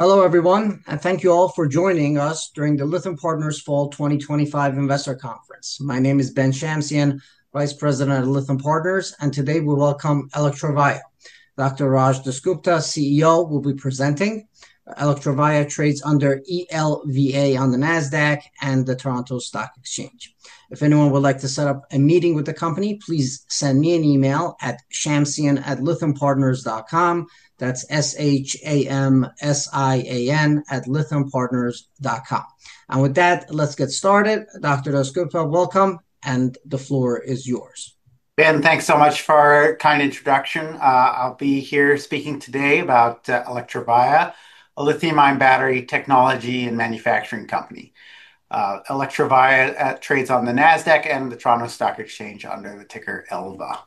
Hello everyone, and thank you all for joining us during the Lytham Partners Fall 2025 Investor Conference. My name is Ben Shamsian, Vice President at Lytham Partners, and today we welcome Electrovaya. Dr. Raj DasGupta, CEO, will be presenting. Electrovaya trades under ELVA on the NASDAQ and the Toronto Stock Exchange. If anyone would like to set up a meeting with the company, please send me an email at shamsian@lythampartners.com. That's S-H-A-M-S-I-A-N at lythampartners dot com. With that, let's get started. Dr. DasGupta, welcome, and the floor is yours. Ben, thanks so much for a kind introduction. I'll be here speaking today about Electrovaya, a lithium-ion battery technology and manufacturing company. Electrovaya trades on the NASDAQ and the Toronto Stock Exchange under the ticker ELVA.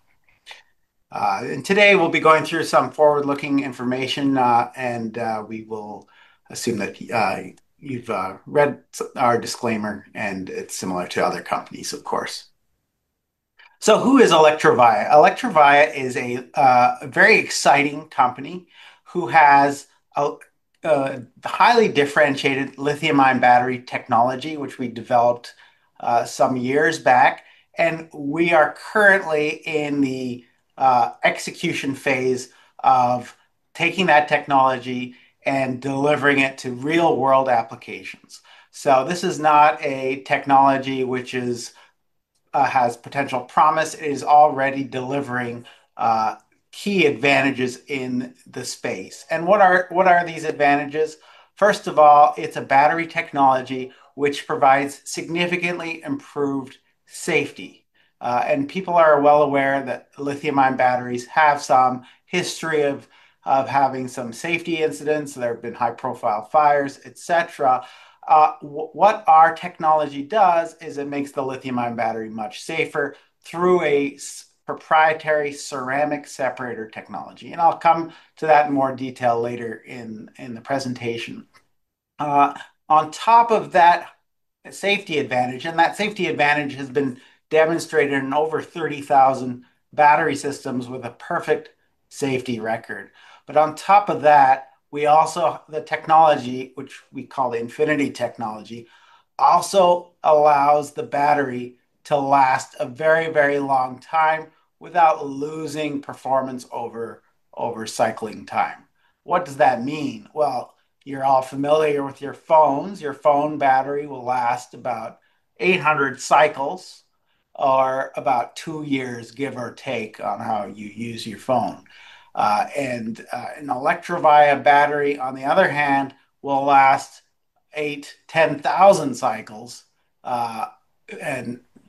Today we'll be going through some forward-looking information, and we will assume that you've read our disclaimer, and it's similar to other companies, of course. Who is Electrovaya? Electrovaya is a very exciting company who has a highly differentiated lithium-ion battery technology, which we developed some years back. We are currently in the execution phase of taking that technology and delivering it to real-world applications. This is not a technology which has potential promise; it is already delivering key advantages in the space. What are these advantages? First of all, it's a battery technology which provides significantly improved safety. People are well aware that lithium-ion batteries have some history of having some safety incidents. There have been high-profile fires, etc. What our technology does is it makes the lithium-ion battery much safer through a proprietary ceramic separator technology. I'll come to that in more detail later in the presentation. On top of that, a safety advantage, and that safety advantage has been demonstrated in over 30,000 battery systems with a perfect safety record. On top of that, we also have the technology, which we call the Infinity technology, which also allows the battery to last a very, very long time without losing performance over cycling time. What does that mean? You're all familiar with your phones. Your phone battery will last about 800 cycles or about two years, give or take, on how you use your phone. An Electrovaya battery, on the other hand, will last 8,000, 10,000 cycles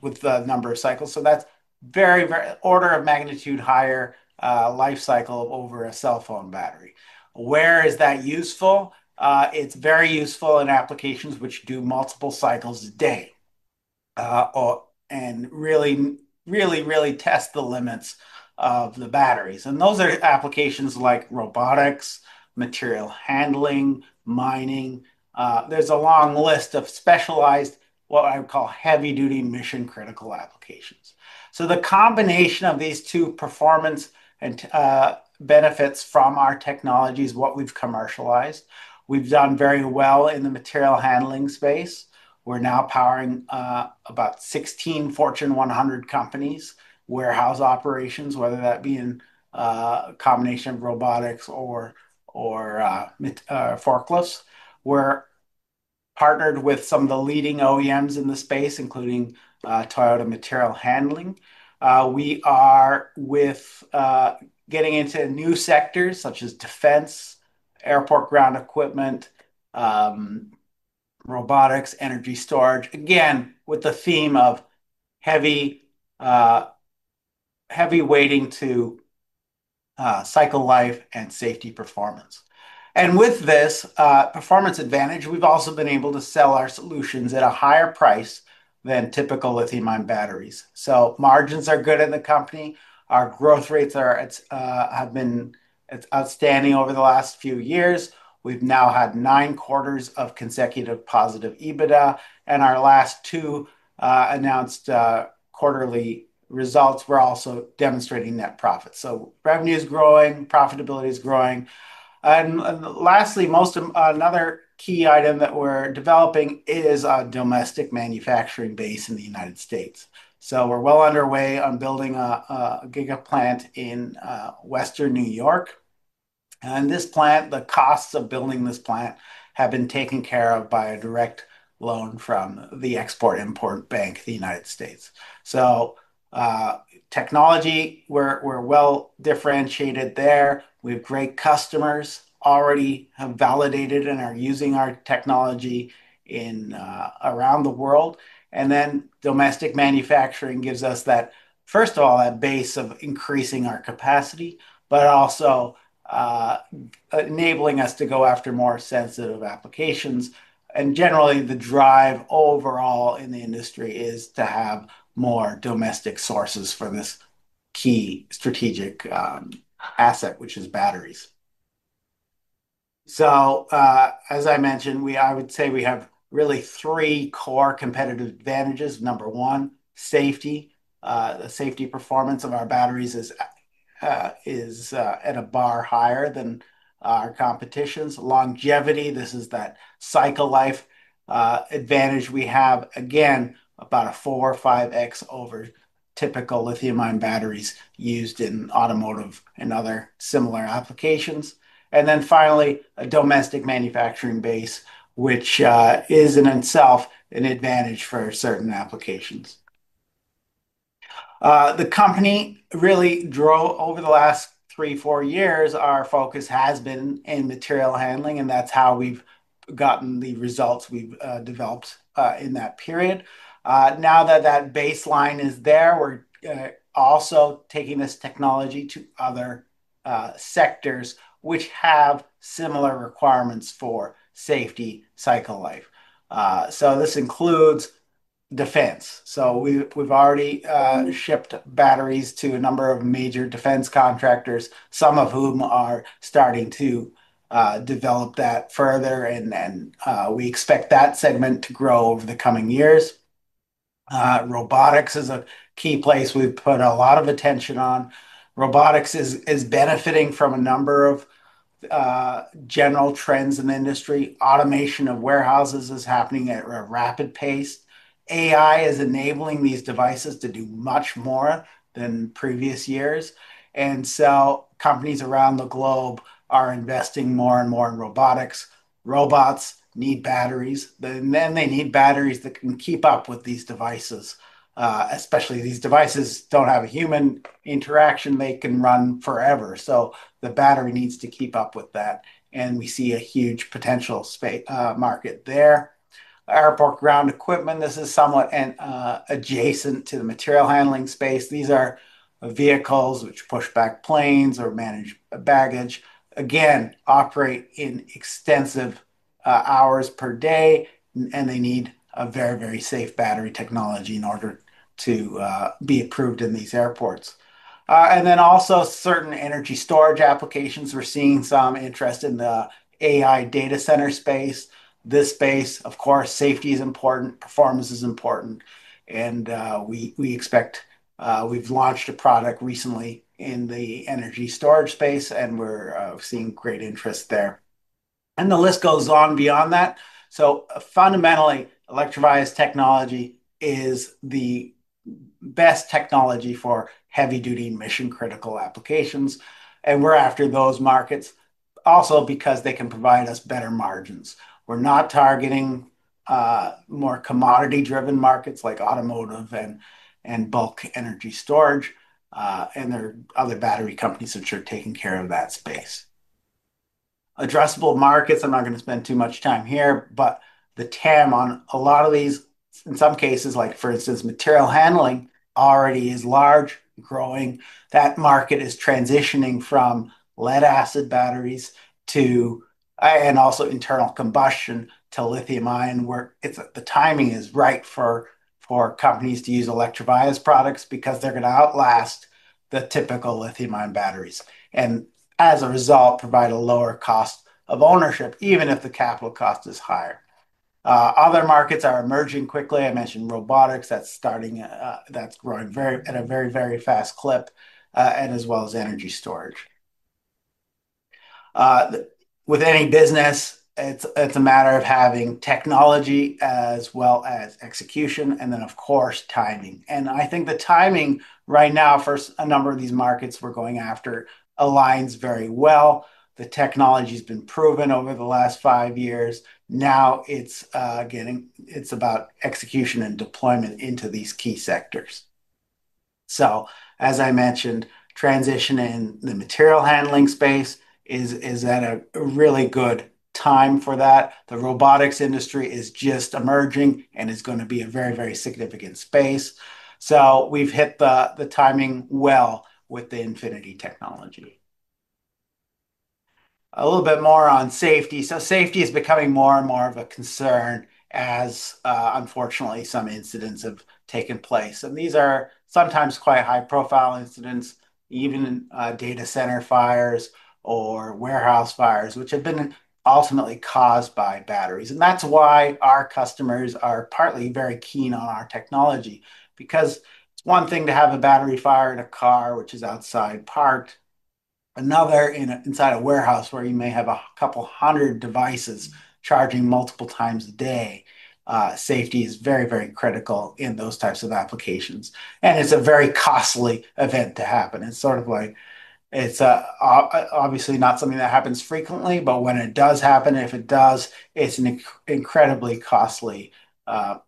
with the number of cycles. That's an order of magnitude higher lifecycle over a cell phone battery. Where is that useful? It's very useful in applications which do multiple cycles a day and really, really, really test the limits of the batteries. Those are applications like robotics, material handling, mining. There's a long list of specialized, what I would call heavy-duty mission-critical applications. The combination of these two performance and benefits from our technology is what we've commercialized. We've done very well in the material handling space. We're now powering about 16 Fortune 100 companies' warehouse operations, whether that be in a combination of robotics or forklifts. We're partnered with some of the leading OEMs in the space, including Toyota Material Handling. We are getting into new sectors such as defense, airport ground equipment, robotics, energy storage, again with the theme of heavy weighting to cycle life and safety performance. With this performance advantage, we've also been able to sell our solutions at a higher price than typical lithium-ion batteries. Margins are good in the company. Our growth rates have been outstanding over the last few years. We've now had nine quarters of consecutive positive EBITDA, and our last two announced quarterly results were also demonstrating net profit. Revenue is growing, profitability is growing. Lastly, another key item that we're developing is a domestic manufacturing base in the United States. We're well underway on building a gigantic plant in Western New York. This plant, the costs of building this plant have been taken care of by a direct loan from the Export-Import Bank of the United States. Technology, we're well differentiated there. We have great customers already validated and are using our technology around the world. Domestic manufacturing gives us that, first of all, a base of increasing our capacity, but also enabling us to go after more sensitive applications. Generally, the drive overall in the industry is to have more domestic sources for this key strategic asset, which is batteries. As I mentioned, I would say we have really three core competitive advantages. Number one, safety. The safety performance of our batteries is at a bar higher than our competition's. Longevity, this is that cycle life advantage we have, again, about a 4x or 5x over typical lithium-ion batteries used in automotive and other similar applications. Finally, a domestic manufacturing base, which is in itself an advantage for certain applications. The company really drove over the last three, four years. Our focus has been in material handling, and that's how we've gotten the results we've developed in that period. Now that that baseline is there, we're also taking this technology to other sectors which have similar requirements for safety, cycle life. This includes defense. We have already shipped batteries to a number of major defense contractors, some of whom are starting to develop that further. We expect that segment to grow over the coming years. Robotics is a key place we've put a lot of attention on. Robotics is benefiting from a number of general trends in the industry. Automation of warehouses is happening at a rapid pace. AI is enabling these devices to do much more than previous years. Companies around the globe are investing more and more in robotics. Robots need batteries, and then they need batteries that can keep up with these devices. Especially these devices don't have a human interaction; they can run forever. The battery needs to keep up with that. We see a huge potential market there. Airport ground equipment is somewhat adjacent to the material handling space. These are vehicles which push back planes or manage baggage. They operate in extensive hours per day, and they need a very, very safe battery technology in order to be approved in these airports. Also, certain energy storage applications are seeing some interest in the AI data center space. In this space, safety is important, performance is important, and we expect we've launched a product recently in the energy storage space, and we're seeing great interest there. The list goes on beyond that. Fundamentally, Electrovaya's technology is the best technology for heavy-duty mission-critical applications. We are after those markets also because they can provide us better margins. We are not targeting more commodity-driven markets like automotive and bulk energy storage. There are other battery companies that are taking care of that space. Addressable markets, I'm not going to spend too much time here, but the TAM on a lot of these, in some cases, like for instance, material handling already is large, growing. That market is transitioning from lead-acid batteries and also internal combustion to lithium-ion, where the timing is right for companies to use Electrovaya's products because they're going to outlast the typical lithium-ion batteries. As a result, they provide a lower cost of ownership, even if the capital cost is higher. Other markets are emerging quickly. I mentioned robotics that's starting, that's growing at a very, very fast clip, as well as energy storage. With any business, it's a matter of having technology as well as execution, and then, of course, timing. I think the timing right now for a number of these markets we're going after aligns very well. The technology has been proven over the last five years. Now it's about execution and deployment into these key sectors. As I mentioned, transition in the material handling space is at a really good time for that. The robotics industry is just emerging, and it's going to be a very, very significant space. We've hit the timing well with the Infinity technology. A little bit more on safety. Safety is becoming more and more of a concern as, unfortunately, some incidents have taken place. These are sometimes quite high-profile incidents, even data center fires or warehouse fires, which have been ultimately caused by batteries. That's why our customers are partly very keen on our technology. It's one thing to have a battery fire in a car, which is outside, another inside a warehouse where you may have a couple hundred devices charging multiple times a day. Safety is very, very critical in those types of applications. It's a very costly event to happen. It's obviously not something that happens frequently, but when it does happen, if it does, it's an incredibly costly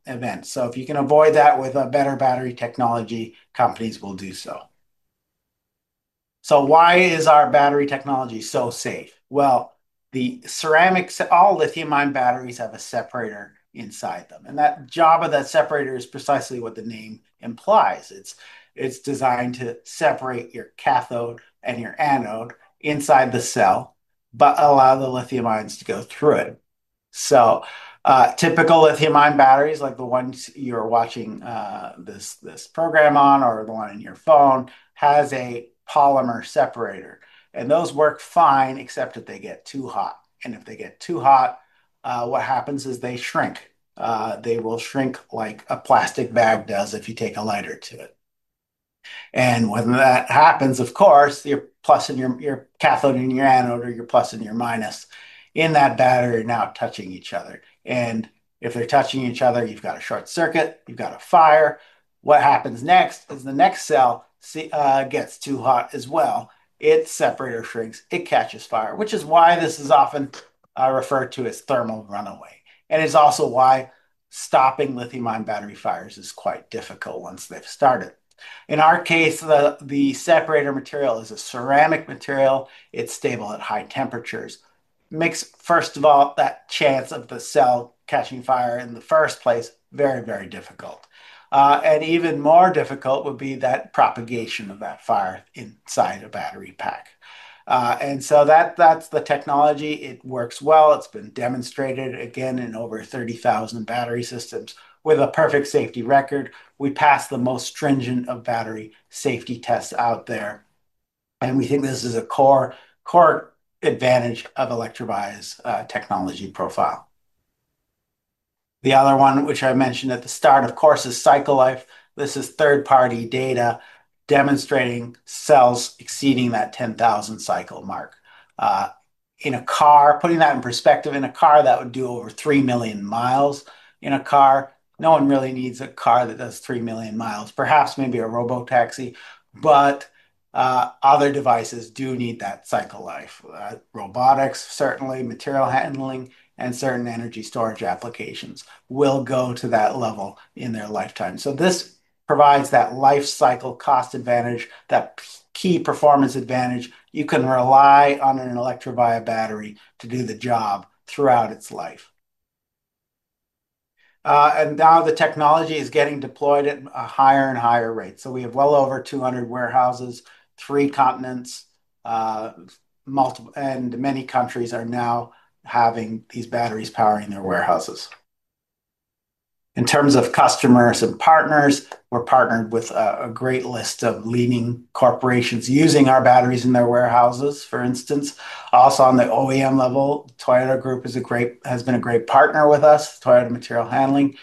event. If you can avoid that with a better battery technology, companies will do so. Why is our battery technology so safe? The ceramics, all lithium-ion batteries have a separator inside them. The job of that separator is precisely what the name implies. It's designed to separate your cathode and your anode inside the cell, but allow the lithium ions to go through it. Typical lithium-ion batteries, like the ones you're watching this program on or the one on your phone, have a polymer separator. Those work fine except if they get too hot. If they get too hot, what happens is they shrink. They will shrink like a plastic bag does if you take a lighter to it. When that happens, of course, you're plusing your cathode and your anode, or you're plusing your minus in that battery not touching each other. If they're touching each other, you've got a short circuit, you've got a fire. What happens next is the next cell gets too hot as well. Its separator shrinks, it catches fire, which is why this is often referred to as thermal runaway. It's also why stopping lithium-ion battery fires is quite difficult once they've started. In our case, the separator material is a ceramic material. It's stable at high temperatures. It makes, first of all, that chance of the cell catching fire in the first place very, very difficult. Even more difficult would be that propagation of that fire inside a battery pack. That's the technology. It works well. It's been demonstrated again in over 30,000 battery systems with a perfect safety record. We pass the most stringent of battery safety tests out there. We think this is a core advantage of Electrovaya's technology profile. The other one, which I mentioned at the start, of course, is cycle life. This is third-party data demonstrating cells exceeding that 10,000 cycle mark. In a car, putting that in perspective, in a car that would do over 3 million miles. In a car, no one really needs a car that does 3 million miles, perhaps maybe a robotaxi, but other devices do need that cycle life. Robotics, certainly, material handling, and certain energy storage applications will go to that level in their lifetime. This provides that life cycle cost advantage, that key performance advantage. You can rely on an Electrovaya battery to do the job throughout its life. Now the technology is getting deployed at a higher and higher rate. We have well over 200 warehouses, three continents, and many countries are now having these batteries powering their warehouses. In terms of customers and partners, we're partnered with a great list of leading corporations using our batteries in their warehouses, for instance. Also on the OEM level, Toyota Group has been a great partner with us, Toyota Material Handling.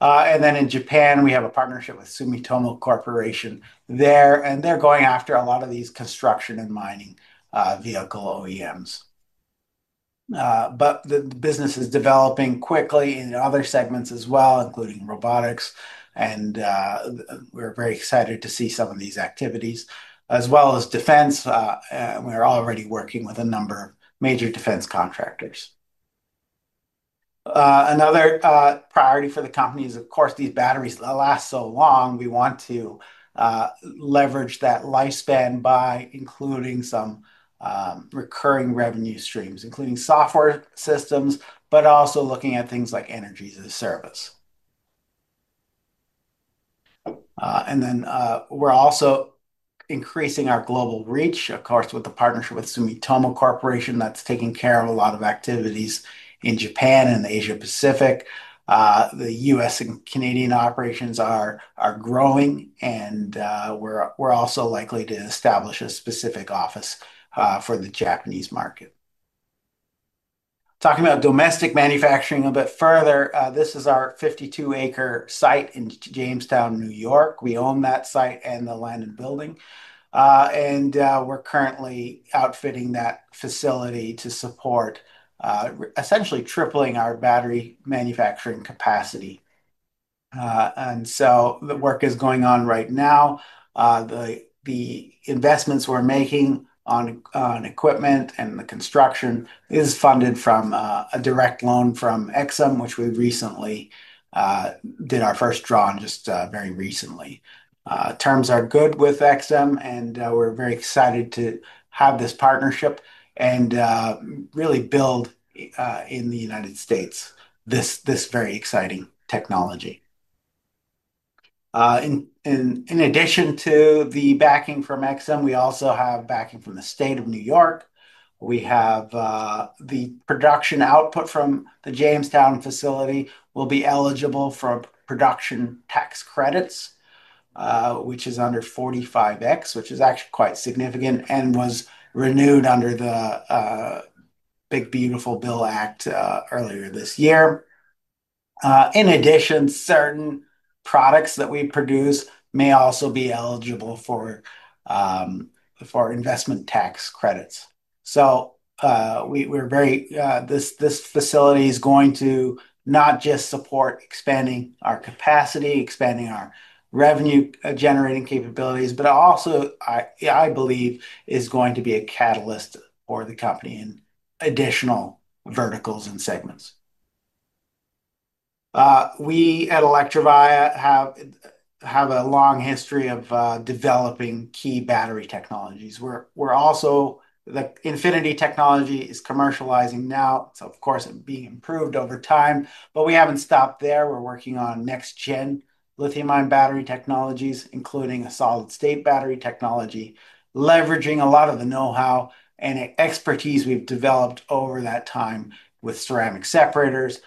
In Japan, we have a partnership with Sumitomo Corporation there, and they're going after a lot of these construction and mining vehicle OEMs. The business is developing quickly in other segments as well, including robotics, and we're very excited to see some of these activities, as well as defense. We're already working with a number of major defense contractors. Another priority for the company is, of course, these batteries last so long. We want to leverage that lifespan by including some recurring revenue streams, including software systems, but also looking at things like energy-as-a-service. We're also increasing our global reach, of course, with the partnership with Sumitomo Corporation that's taking care of a lot of activities in Japan and the Asia Pacific. The U.S. Canadian operations are growing, and we're also likely to establish a specific office for the Japanese market. Talking about domestic manufacturing a bit further, this is our 52-acre site in Jamestown, New York. We own that site and the land and building, and we're currently outfitting that facility to support essentially tripling our battery manufacturing capacity. The work is going on right now. The investments we're making on equipment and the construction are funded from a direct loan from EXIM, which we recently did our first draw on just very recently. Terms are good with EXIM, and we're very excited to have this partnership and really build in the United States this very exciting technology. In addition to the backing from EXIM, we also have backing from the state of New York. The production output from the Jamestown facility will be eligible for production tax credits, which is under 4545X, which is actually quite significant and was renewed under the Big Beautiful Bill Act earlier this year. In addition, certain products that we produce may also be eligible for investment tax credits. This facility is going to not just support expanding our capacity, expanding our revenue-generating capabilities, but also, I believe, is going to be a catalyst for the company in additional verticals and segments. We at Electrovaya have a long history of developing key battery technologies. The Infinity technology is commercializing now. It's, of course, being improved over time, but we haven't stopped there. We're working on next-gen lithium-ion battery technologies, including a solid-state battery technology, leveraging a lot of the know-how and expertise we've developed over that time with ceramic separators.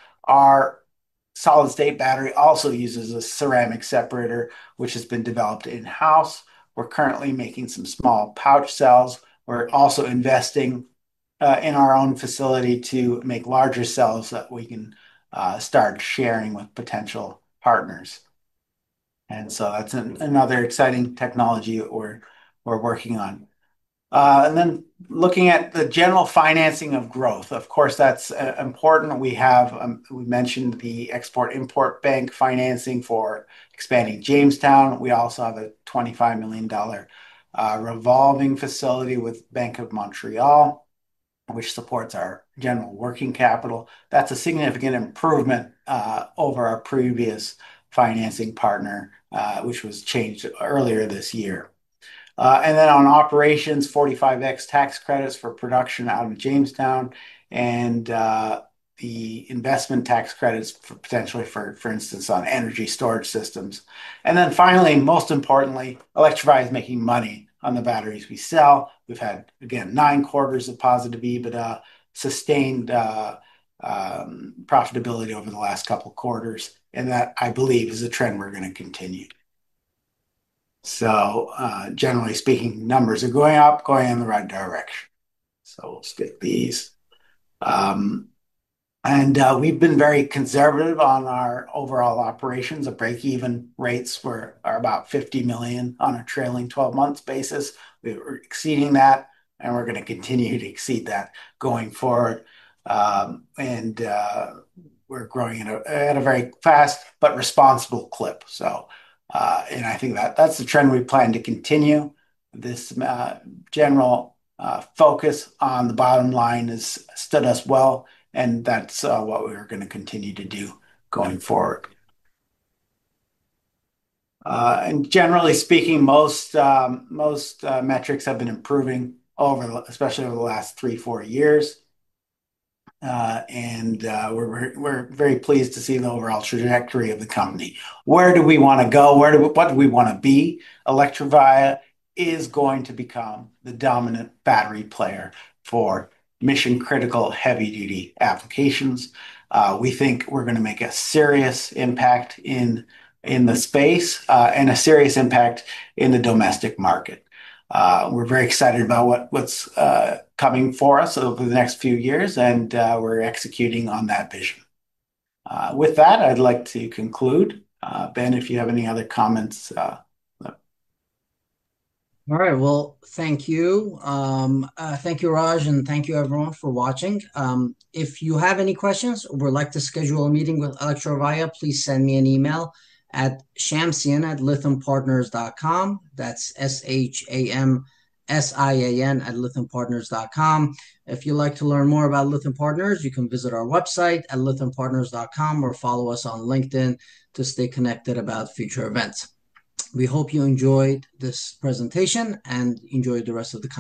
Our solid-state battery also uses a ceramic separator, which has been developed in-house. We're currently making some small pouch cells. We're also investing in our own facility to make larger cells that we can start sharing with potential partners. That's another exciting technology we're working on. Looking at the general financing of growth, of course, that's important. We mentioned the Export-Import Bank financing for expanding Jamestown. We also have a $25 million revolving facility with Bank of Montreal, which supports our general working capital. That's a significant improvement over our previous financing partner, which was changed earlier this year. On operations, 45X tax credits for production out of Jamestown and the investment tax credits potentially for, for instance, on energy storage systems. Most importantly, Electrovaya is making money on the batteries we sell. We've had, again, nine quarters of positive EBITDA, sustained profitability over the last couple of quarters, and that, I believe, is a trend we're going to continue. Generally speaking, numbers are going up, going in the right direction. We've been very conservative on our overall operations. Our break-even rates are about $50 million on a trailing 12-month basis. We're exceeding that, and we're going to continue to exceed that going forward. We're growing at a very fast but responsible clip. I think that that's the trend we plan to continue. This general focus on the bottom line has stood us well, and that's what we're going to continue to do going forward. Generally speaking, most metrics have been improving, especially over the last three, four years. We're very pleased to see the overall trajectory of the company. Where do we want to go? What do we want to be? Electrovaya is going to become the dominant battery player for mission-critical heavy-duty applications. We think we're going to make a serious impact in the space and a serious impact in the domestic market. We're very excited about what's coming for us over the next few years, and we're executing on that vision. With that, I'd like to conclude. Ben, if you have any other comments. Thank you. Thank you, Raj, and thank you, everyone, for watching. If you have any questions or would like to schedule a meeting with Electrovaya, please send me an email at shamsian@lythampartners.com. That's S-H-A-M-S-I-A-N at lythampartners.com. If you'd like to learn more about Lytham Partners, you can visit our website at lythampartners.com or follow us on LinkedIn to stay connected about future events. We hope you enjoyed this presentation and enjoy the rest of the call.